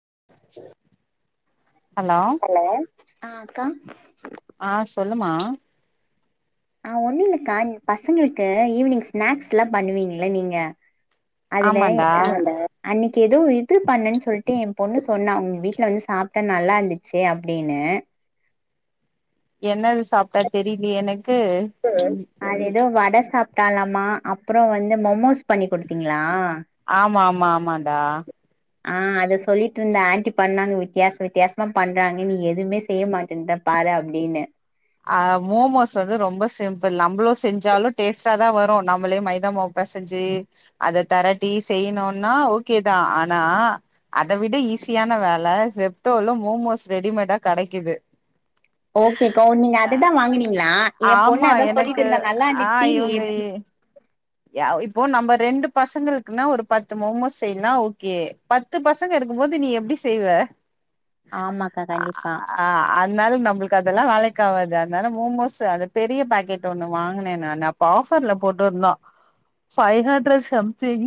[inaudible] hello ஆ அக்கா ஆ சொல்லுமா ஆ ஒன்னு இல்லக்கா இன் பசங்களுக்கு ஈவினிங் ஸ்நாக்ஸ் ல்லா பண்ணுவீங்கள நீங்க அதுல ஆமாண்டா ஆ [inaudible] அன்னைகி எதோ இது பண்ணன் சொல்ட்டு ஏன் பொண்ணு சொன்னா உங் வீட்ல வந்து சாப்ட்ட நல்லாருந்துச்சு அப்டின்னு என்னது சாப்ட்டா தெரிலியே எனக்கு க்கு ம் சாப்டாலாமா அப்றோ வந்து மொமோஸ் பண்ணி குடுத்தீங்களா ஆமா ஆமா ஆமான்டா ஆ அத சொல்லிட்டு இருந்தே ஆன்டி பண்ணாங்க வித்தியாச வித்தியாசமா பண்றாங்க நீ எதுமே செய்ய மாட்டேன்ட பாரு அப்டின்னு ஆ மோமோஸ் வந்து ரொம்ப சிம்பிள் நம்பளு செஞ்சாலு டேஸ்ட்டாதா வரு நம்மளே மைதா மாவு பெசஞ்சு அத தரட்டி செய்யணுனா ஓகேதா ஆனா அத விட ஈஸியான வேல செப்டோல்லு மோமோஸ் ரெடிமேடா கெடைக்குது ஓகே கோ நீங்க அ அததா வாங்குனீங்ளா ஆமா எனக்கு ஆ இருந்துச்சு நீ இவுங்க எப்டி எ இப்போ நம்ம ரெண்டு பசங்களுக்குனா ஒரு பத்து மோமோஸ் செய்னா ஓகே பத்து பசங்க இருக்கும் போது நீ எப்டி செய்வ ஆமாக்கா கண்டிப்பா ஆ அதுனால நம்மளுக்கு அதல்லா வேலக் காவாது அதுனால மோமோஸு அது பெரிய பாக்கெட் ஒண்ணு வாங்குனே நானு அப்ப ஆஃபர்ல போட்டு இருந்தோ ஃபைவ் ஹன்ரட் சம்திங்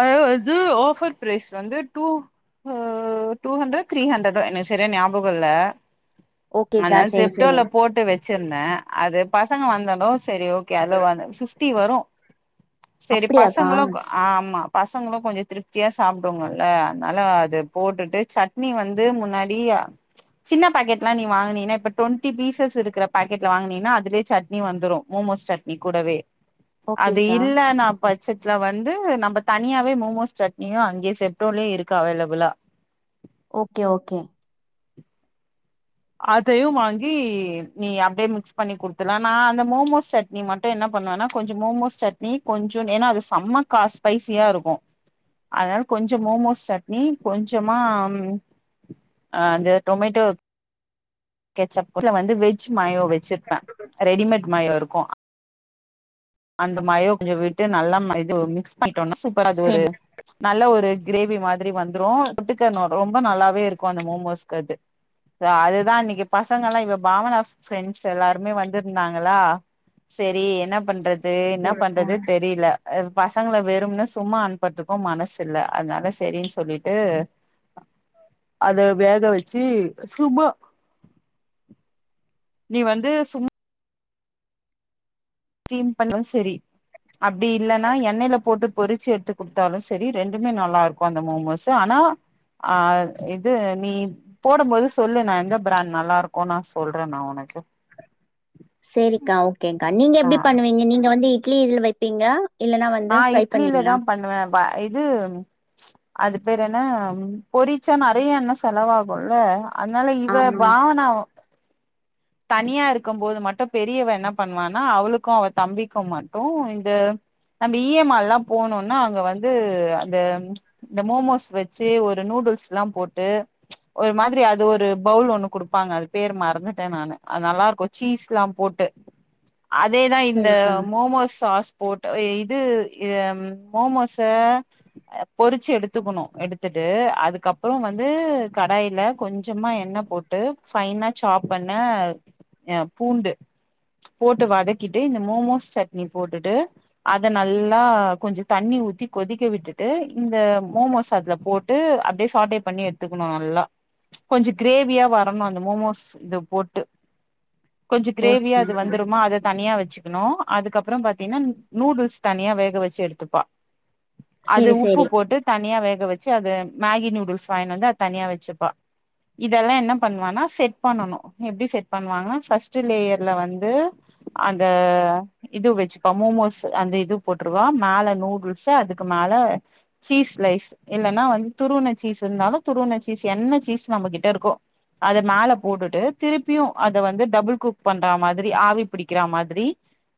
அ இது ஆஃபர் ப்ரைஸ் வந்து டூ அ டூ ஹன்ரடா த்ரீ ஹன்ரடோ எனக் சரியா ஞாபகோ இல்ல ஓகேக்கா அதுனால சேரி சேரி ஜெப்டோல போட்டு வச்சிருந்தே அது பசங்க வந்தாலு சரி ஓகே அழுவாத ஃபிப்டி வரு செரி அப்டியாக்கா பசங்களு ஆமா பசங்களு கொஞ்சோ திருப்தியா சாப்டுவாங்கல்ல அதுனால அது போட்டுட்டு சட்னி வந்து முன்னாடியா ச் சின்ன பாக்கெட்ல்லா நீ வாங்குனீனா இப்ப டொண்ட்டி பீசஸ் இருக்குற பாக்கெட்ல வாங்குனீனா அதுலயே சட்னி வந்துறு மோமோஸ் சட்னி கூடவே அது ஓகேக்கா இல்லன்னாப்ப பச்சத்துல வந்து நம்ம தனியாவே மோமோஸ் சட்னியு அங்கயே செப்டோலயே இருக்கு அவைலபிளா ஓகே ஓகே அதையு வாங்கி நீ அப்டியே மிக்ஸ் பண்ணி குடுத்துர்லா நா அந்த மோமோஸ் சட்னி மட்டு என்ன பண்ணுவேன்னா கொஞ்சோ மோமோஸ் சட்னி கொஞ்சோனு ஏன்னா அது செம்ம கா ஸ்பைசியா இருக்கு அதுனால கொஞ்சோ மோமோஸ் சட்னி கொஞ்சமா அ அந்த டொமேட்டோ கெச்சப்ல வந்து வெஜ் மயோ வெச்சிருப்பே ரெடிமேட் மயோ இருக்கு அந்த மயோ கொஞ்சோ விட்டு நல்லா இது மிக்ஸ் பண் டோனா சூப்பர் அது ஒரு செரி ச் நல்ல ஒரு கிரேவி மாதிரி வந்துரு தொட்டுக்க னொ ரொம்ப நல்லாவே இருக்கு அந்த மோமோஸ்க்கு அது அதுதா இன்னி இங்க பசங்கல்லா இவ பாவநாச ஃப்ரண்ட்ஸ் எல்லாருமே வந்திருந்தாங்களா சரி என்ன பண்றது து என்ன செரிக்கா பண்றது தெரில அ பசங்கள வெறும்னு சும்மா அனுப்புறதுக்கு மனசு இல்ல அதுனால சரின்னு சொல்லிட்டு அத வேக வச்சு சும்மா நீ வந்து சும் ஸ்டீம் பண்ணுவ சரி அப்டி இல்லன்னா எண்ணேல போட்டு பொறுச்சு எ எத்து குடுத்தாலும் சரி ரெண்டுமே நல்லா இருக்கு அந்த மோமோஸு ஆனா அ இது நீ போடும் போது சொல்லு நா எந்த பிராண்ட் நல்லா இருக்கு நா சொல்றே நா ஒனக்கு சேரிக்கா ஓ கேங்க்கா நீங்க எப்டி பண்ணுவீங்க நீங்க வந்து இட்லி இதுல வைப்பீங்ளா நா இட்லில தா பண்ணுவே ப இது அது பேரு என்ன பொரிச்சா நறைய எண்ண செலவாகுல்ல அதனால இவ ஆமா பாவனாவு தனியா இருக்கம் போது மட்டு பெரியவ என்ன பண்வானா அவுளுக்கு அவ தம்பிக்கு மட்டு இந்த நம்ம இ எ மால்லா போனோன்னா அங்க வந்து அந்த இந்த மோமோஸ் வெச்சி ஒரு நூடுல்ஸ்ல்லாம் போட்டு ஒரு மாதிரி அது ஒரு பவுல் ஒண்ணு குடுப்பாங்க அது பேரு மறந்துட்டே நானு அது நல்லாருக்கு சீஸ்ல்லாம் போட்டு அதேதா இந்த செரிக்கா மோமோஸ் சாஸ் போட்டு அ இது எம் மோமோஸ பொரிச்சு எடுத்துக்குணு எடுத்துட்டு அதுக்கப்புறோ வந்து கடாயில கொஞ்சமா எண்ணெ போட்டு ஃபைனா சாப் பண்ண அ பூண்டு போட்டு வதக்கிட்டு இந்த மோமோஸ் சட்னி போட்டுட்டு அத நல்லா கொஞ்சோ தண்ணி ஊத்தி கொதிக்க விட்டுட்டு இந்த மோமோஸ் அதுல போட்டு அப்டே சாட்டே பண்ணி எட்த்துக்குணு நல்லா கொஞ்சோ கிரேவியா வரணு அந்த மோமோஸ் இது போட்டு கொஞ்ச கிரேவியா அது ஓகேக்கா வந்துருமா அத தனியா வெச்சுக்குணு அதுக்கப்புறம் பாத்தீனா நூடுல்ஸ் தனியா வேக வெச்சு எடுத்துப்பா அது செரி உப்பு செரி போட்டு தனியா வேக வெச்சு அத மேகி நூடுல்ஸ் வாய்னு வந்து அது தனியா வெச்சுப்பா இதெல்லா என்ன பண்வானா செட் பண்ணனு எப்டி செட் பண்வாங்கனா ஃபஸ்ட்டு லேயர்ல வந்து அந்த இது வெச்சுப்பா மோமோஸு அந்த இது போட்ருவா மேல நூடுல்ஸ் அதுக்கு மேல சீஸ் லைஸ் இல்லன்னா வந்து துருவுன சீஸ் இருந்தாலு துருவன சீஸ் என்ன சீஸ் நம்ம கிட்ட இருக்கோ அத மேல போட்டுட்டு திரு பியு அத வந்து டபுள் குக் பண்றா மாதிரி ஆவி பிடிக்கிறா மாதிரி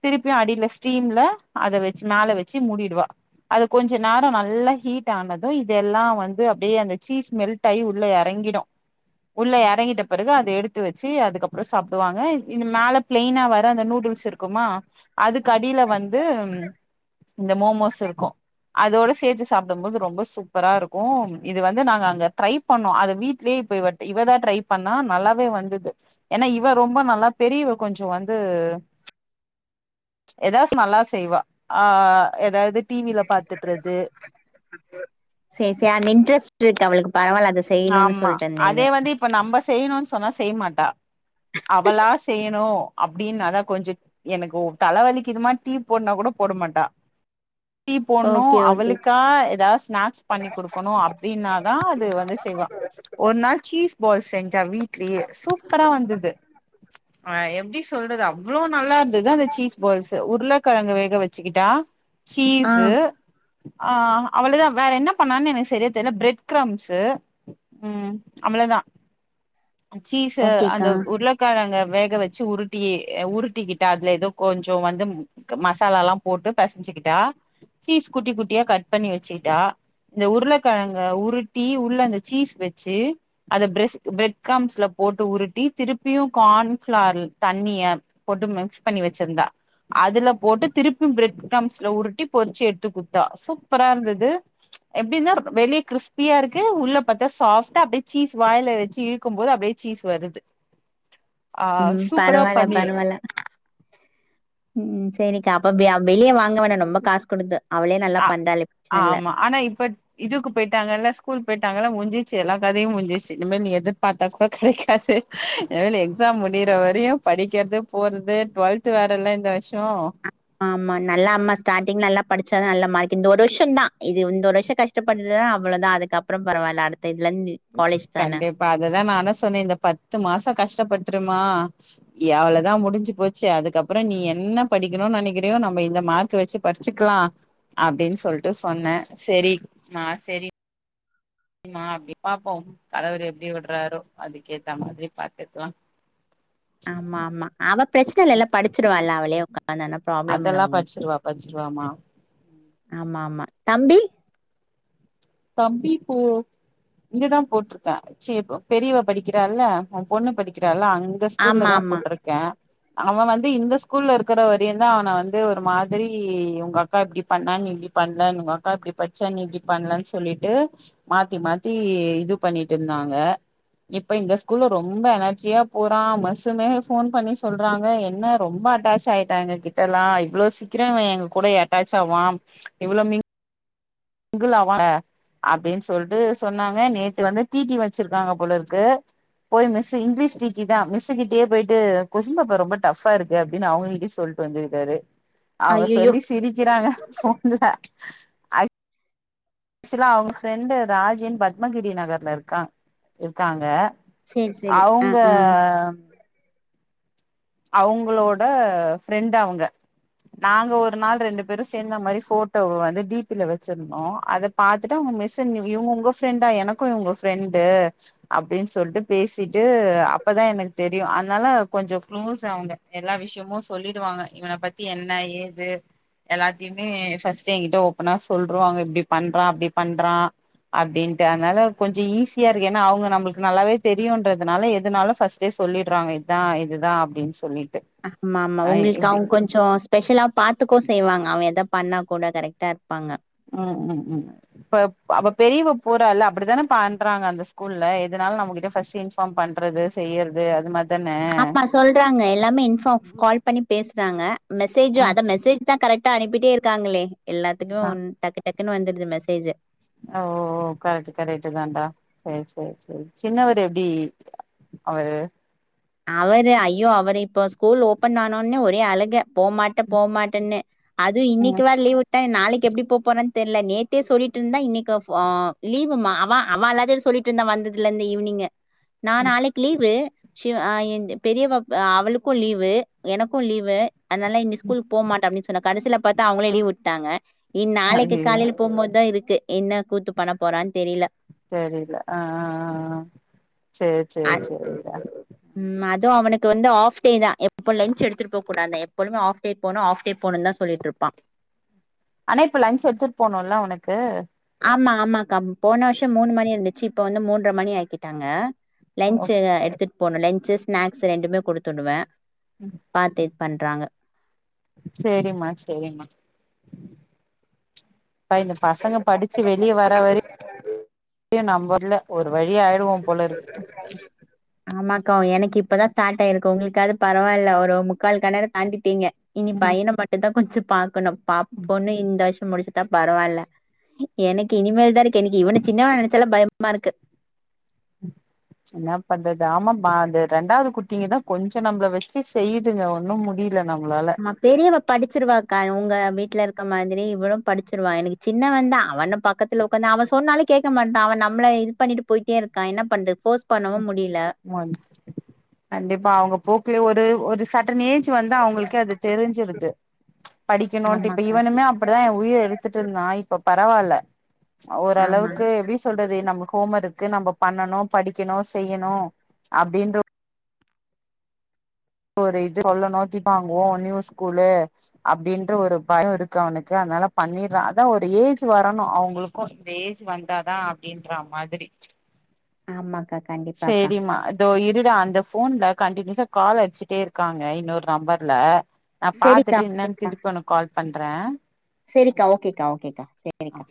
திருப்பியு அடியில ஸ்டீம்ல அத வெச்சி மேல வெச்சி மூடிடுவா அது கொஞ்ச நேரோ நல்லா ஹீட் ஆனது இதெல்லா வந்து அப்டியே அந்த சீஸ் மெல்ட் ஆயி உள்ள எறங்கிடு உள்ள எறங்கிட்ட பிறகு அத எடுத்து வெ ச்சி அதுக்கப்புறோ சாப்டுவாங்க இ மேல பிளெய்னா வ த அந்த நூடுல்ஸ் இருக்குமா அதுக்கு அடியில வந்து ம் இந்த மோமோஸ் இருக்கு அதோட சேத்து சாப்டம் போது ரொம்ப சூப்பராருக்கும் இது வந்து நாங்க அங்க ட்ரை பண்ணோ அத வீட்லியே இப்ப இவ இவ தா ட்ரை பண்ணா நல்லாவே வந்துது ஏன்னா இவ ரொம்ப நல்ல பெரியவ கொஞ்சோ வந்து எதாஸ் நல்லா செய்வா ஆ எதாவது டி வி ல பாத்துட்றது செரி செரி அந்த [unintelligible] செய்யணுன்னு ஆமா சொல்ட்டு அந்த இது அதே வந்து இப்ப நம்ப செய்ணுன்ஸ் சொன்னா செய்மாட்டா அவளா செய்யணு அப்டின்னாதா கொஞ்சோ எனக்கு உ தலவலிக்குதுமா டீ போட்னா கூட போட மாட்டா டீ போண்ணு ஓகே ஓகே அவுளுக்கா எதாவ் ஸ்நாக்ஸ் பண்ணி குடுக்கணு அப்டின்னாதா அது வந்து ஸ் ஒர் நாள் சீஸ் பால் செ ஞ்சா வீட்லியே சூப்பரா வந்துது ஐ எம் ப்டி சொல்றது அவ்ளோ நல்லாருந்தது அந்த சீஸ் பால்ஸு உருளக்கெழங்க வேக வெச்சுக்கிட்டா ஆ சீசு ஆ அவ்ளதா வேற என்ன பண்ணான் எனுக்கு செரியா தெர்ல பிரெட் கிரம்ஸு ம் அவ்ளதா சீஸு ஓகேக்கா அந்தவ் உருளகெழங்க வே க வெச்சு உருட்டியே அ உருட்டிக்கிட்டா அதுல எதோ கொஞ்சோ வந்து ம் க மசாலால்லாம் போட்டு பெசஞ்சுக்கிட்டா சீஸ் குட்டி குட்டியா கட் பண்ணி வெச்சிட்டா இந்த உருளக்கெழங்க உருட்டி உள்ள அந்த சீஸ் வெச்சு அத பிரெஸ்க் பிரெட் கம்ஸ்ல போட்டு உருட்டி திருப்பியு கான்ஃப்ளார்ல் தண்ணிய போட்டு மிக்ஸ் பண்ணி வெச்சிர்ந்தா அதுல போட்டு திருப்பிம் பிரெட் கிரம்ஸ்ல உருட்டி பொறிச்சு எட்த்து குட்த்தா சூப்பரா இருந்தது எப்டினா ர் வெளிய கிறிஸ்பியா இருக்கு உள்ள பாத்தா சாஃப்டா அப்டே சீஸ் வாய்ல வெச்சி இழுக்கம்போது அப்டியே சீஸ் வருது ஆ ம் சூப்பரா பரவால பண்ணி பரவால ம் செரிக்கா [unintelligible] வெளிய வாங்கவேணா நொம்ப காஸ் குடுத்து அவளே நல்லா அ பண்றாளே பிரச்சன இல்ல ஆமா ஆனா இப்பட் இதுக்கு போய்ட்டாங்கல்ல ஸ்கூல் போய்ட்டாங்கல்ல முஞ்சி ச்சி எல்லா கதையும் முஞ்சிச்சி இனிமேல் நீ எதிர்பாத்தா கூட கெடைக்காது இனிமேல் எக்ஸாம் முடியற வரையு படிக்கிறது போறது டுவெல்த் வேற இல்ல இந்த வர்ஷோ படிச்சாதா நல்ல மார்க் இந்த ஒரு வருஷம் தான் இது இந்த ஒரு வருஷம் கஷ்டபட்டுடனா அவ்வளோதான் அதுக்கப்புறம் பரவால்ல அ கண்டிப்பா அததான் நான சொன்னேன் இந்த பத்து மாசம் கஷ்டப்பட்ரு மா அவ்வளவுதான் முடிஞ்சு போச்சு அதுக்கப்புறம் நீ என்ன படிக்கணும்னு நினைக்கிறோயோ நம்ம இந்த மார்க்க வச்சு படிச்சுக்கலாம் அப்படின்னு சொல்லிட்டு சொன்னேன் சரிமா சரி மா அப்ப பாப்போம் கடவுரு எப்படி விடுறாரோ அதுக்கேத்த மாதிரி பாத்துக்குலாம் ஆமா ஆமா அவ பிரச்சன இல்லல படிச்சிருவாள்ல அவளே உக்காந்தன்ன ப்ராப்ளம் இல்ல அதெல்லா உங்களுக்கு படிச்சிருவா படிச்சிருவாமா ஆமா ஆமா தம்பி தம்பி இப்போ இங்கதா போட்ருக்க செ பெரியவ படிக்கிறால்ல உ பொண்ணு படிக்கிறால்ல அங்க இந்த ஸ்கூல்ல ஆமா தா ஆமா போட்ருக்கே அவ வந்து இந்த ஸ்கூல்ல இருக்கிற வரையு தா அவன வந்து ஒரு மாதிரி உங்க அக்கா இப்டி பண்ணாநீ இப்டி பண்ணல உங்க அக்கா இப்டி படிச்சா நீ இப்டி பண்ணலனு சொல்லிட்டு மாத்தி மாத்தி இது பண்ணிட்டு இருந்தாங்க இப்ப இந்த ஸ்கூல்ல ரொம்ப எனர்ஜியா போறா மிசுமே ஃபோன் பண்ணி சொல்றாங்க என்ன ரொம்ப அட்டாச் ஆயிட்டா எங்க கிட்டல்லா இவ்ளோ சீக்கிர இவ எங்க கூட அட்டாச் ஆவா இவ்ளோ மிங் மிங்களாவா அப்டின்னு சொல்ட்டு சொன்னாங்க நேத்து வந்து டிடி வச்சிருக்காங்க போலருக்கு போய் மிஸ்ஸு இங்கிலிஷ் டிடி தா மிஸ்ஸு கிட்டயே போயிட்டு கொஷ்டின் பேப்பர் ரொம்ப டஃபா இருக்கு அப்டின்னு அவங்கிட்டயே சொல்லிட்டு வந்திருக்காரு அவ ஐயையோ சொல்லி சிரிக்கிறாங்க ஃபோன்ல ஆக்சுவலா அவங்க ஃப்ரெண்டு ராஜினு பத்மகிரி நகர்ல இருக்கா இருக்காங்க சேரி சேரி ஆ அவங்க ஆ அவங்களோட ஃப்ரெண்டா அவங்க நாங்க ஒரு நாள் ரெண்டு பேரும் சேர்ந்த மாரி போட்டோ வந்து டிபில வச்சிருந்தோ அத பாத்துட்டு அவங்க மிஸ் இவங்க உங்க ஃப்ரெண்டா எனக்கு இவங்க ஃப்ரெண்டு அப்டின்னு சொல்லிட்டு பேசிட்டு அப்பதா எனக்கு தெரியு அதனால கொஞ்ச குளோஸ் அவங்க எல்லா விஷயமு சொல்லிடுவாங்க இவன பத்தி என்ன ஏது எல்லாத்தயுமே ஃபர்ஸ்ட்டே என்கிட்ட ஓப்பனா சொல்ருவாங்க இப்டி பண்றா அப்டி பண்றா அப்டின்ட்டு அதனால கொஞ்ச ஈஸியா இருக்கு ஏன்னா அவங்க நம்மளுக்கு நல்லாவே தெரியுன்றதுனால எதுனால ஃபஸ்ட்டே சொல்லிடுறாங்க இதா இது அதா அப்டின்னு ஆமா ஆமா உங்களுக்கு இப்டி அவங்க கொஞ்ச ஸ்பெஷலா பாத்துக்க செய்வாங்க அவன் எதா பண்ணா கூட கரெக்டா இருப்பாங்க ம் ம் ம் இப்ப அப்ப பெரியவ போரால அப்டித்தானே பண்றாங்க அந்த ஸ்கூல்ல எதுனாலு நம்மகிட்ட ஃபஸ்ட் இன்பார்ம் பண்றது செய்யறது அது மாதி ஆமா சொல்றாங்க எல்லாமே இன்ஃபார்ம் கால் பண்ணி பேசுறாங்க மெசேஜு ஆ அத மெசேஜ்தா கரெக்ட் அனுப்பிட்டே இருக்காங்களே எல்லாத்துக்குமே ஆ ஒன் டக்கு டக்குன்னு வந்துருது மெசேஜ் ஓ கரெக்ட் கரெக்ட் தான்டா செரி செரி சின்னவர் எப்டி அவரு அவரு ஐயோ அவர் இப்போ ஸ்கூல் ஓப்பன் ஆனோன்னே ஒரே அழுக போமாட்டே போமாட்டேன்னு அதுவு இன்னைக்கு ம் வேற லீவ் விட் ட நாளைக்கு எப்டி போ போறேன்னு தெரில நேத்தே சொல்லிட்டு இருந்தா இன்னைக்கு ஓ லீவுமா அவ அவ எல்லாத் சொல்லிட்டு இருந்தா வந்ததுல இருந்த ஈவினிங் நா ம் நாளைக்கு லீவு சிவ் ஆ பெரிய பா அவளுக்கு லீவு எனக்கு லீவு அதனால இனி ஸ்கூல் போமாட்ட அப்டினு சொன்ன கடைசில பத்தா அவங்களே லீவு உட்டாங்க இ நாளைக்கி ஐயயோ காலைய்ல போம்போதுதா இரு க்கு என்ன கூத்து பண்ண போறான் தெரில தெரிய்ல அ அ அ அ சேர் சேர் அத் சேரிடா ம் அதுவு அவனுக்கு வந்து ஆஃப் டே தா எப்ப லஞ்ச் எடுத்துட்டு போக் கூடாது எப்பொழுமே ஆஃப் டே போணு ஆஃப் டே போணுன் தா சொல்லியிட்ருப்பா ஆனா இப்ப லஞ்ச் எடுத்துட் போனுல்ல அவனுக்கு ஆமா ஆமாக்கா போன வர்ஷொ மூணு மணி இருந்துச்சு இப்போ வந்து மூன்ற மணி ஆக்கிட்டாங்க லஞ்ச்சு எடுத்துட் போணு லஞ்ச்சு ஸ்னாக்ஸ் ரெண்டுமே குடுத்துடுவ பாத்து பண்றாங்க சேரிமா சேரிமா பா இந்த பசங்க படிச்சு வெளிய வர வரை நம்ப இல்ல ஒரு வழியாய்டுவோ போலருக் ஆமாக்கா எனக்கு இப்பதா ஸ்டாட் ஆய்ருக்கு உங்களுக்காது பரவால்ல ஒரு முக்கால் கெணர தாண்டிட்டீங்க இனி இருக்கு பையன மட்டுந்தா கொஞ்சொ பாக்கணும் பாப் பொண்ணு இந்த வர் ஷம் முடிச்சுட்டா பரவால்ல எனக்கு இனிமேல்தா இருக்கு எனக்கு இவன சின்னவன நெனச்சாலே பயமா இருக்கு என்னா பண்றது ஆமா ப அது ரெண்டாவது குட்டிங்கதா கொஞ்சொ நம்ப்ள வெச்சி செய்யுதுக ஒன்னும் முடி ஆமா பெரியவ படிச்சிருவாக் கா உங்க வீட்ல இருக்க மாதிரி இவளும் படிச்சிருவா எனக்கு சின்னவந்தா அவன பக்கத்து உக்காந்து அவ சொன்னாலு கேக்க மாட்டா அவ நம்ள இது பண்ணிட்டு போயிட்டே இருக்கா என்ன பண்றத் ஃபோர்ஸ் பண்ணவும் முடியல [unintelligible] கண்டிப்பா அவுங்க போக்லயே உ ட்டு ஒரு சட் டன் ஏஜு வந்து அவ்ங்களுக்கே அது தெரிஞ்சிருது படிக்கணுன்ட்டு இப்ப ஆமாக்கா இவனுமே அப்டிதா ஏ உயிர எடுத்துட்ருந்தா இப்ப பரவால்ல ச ஆமா ஓரளவுக்கு எப்டி சொல்றது நம்ம ஹோம் ஒர்க்கு நம்ப பண்ணனு கெணு செய்யணு அப்டின்ற ஒரு இது சொல்லணு [inaudible] வாங்குவோ நியூ ஸ்கூலு அப்டின்ற ஒரு பயொ இருக்கு அவனுக்கு அத்னால பண்ணிர்றா அதா ஒரு ஏஜ் வரணு அவ்ங்களுக்கு இந்த ஏஜ் வந்தாதா அப்டின்றா மாதிரி ஆமாக்கா கண்டிப்பாக்கா தோ இருடா அந்த ஃபோன்ல கண்டின்யுசா கால் அட்ச்சி ட்டே இருக்காங்க இன்னொரு நம்பர்ல நா சரிக்கா பாத்துட்டு என்னான் திருப்பி ஒனக் கால் பண்ற செரிக்கா ஓகேக்கா ஓகேக்கா ஆ சேரிக்கா